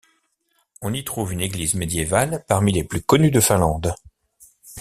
On y trouve une église médiévale parmi les plus connues de Finlande.